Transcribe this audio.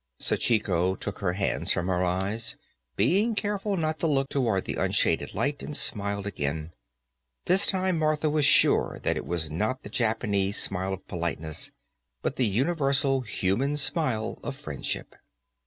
Sachiko took her hands from her eyes, being careful not to look toward the unshaded light, and smiled again. This time Martha was sure that it was not the Japanese smile of politeness, but the universally human smile of friendship.